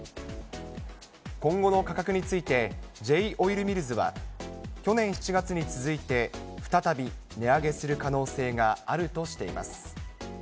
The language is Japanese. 今後の価格について、Ｊ−オイルミルズは、去年７月に続いて、再び値上げする可能性があるとしています。